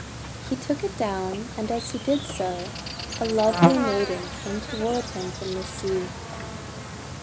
He took it down, and as he did so, a lovely maiden came toward him from the sea.